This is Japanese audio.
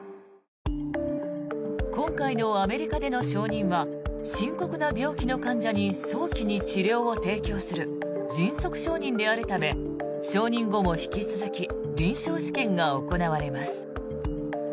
今回のアメリカでの承認は深刻な病気の患者に早期に治療を提供する迅速承認であるため承認後も引き続き臨床試験が行われます。